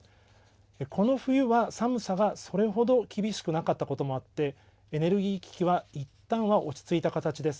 この冬は寒さがそれほど厳しくなかったこともあってエネルギー危機はいったんは落ち着いた形です。